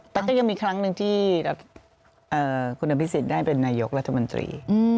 แต่ก็ยังมีคลั้งนึงที่ณพิษศิษฐ์ได้เป็นในยกรัฐบันตรี